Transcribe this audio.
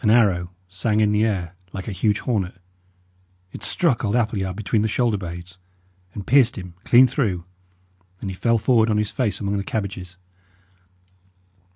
An arrow sang in the air, like a huge hornet; it struck old Appleyard between the shoulder blades, and pierced him clean through, and he fell forward on his face among the cabbages.